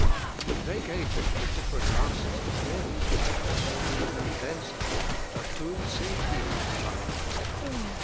They g"ave Him the different answers that men were g iving , and He then said, *'But whom say ye that I am?"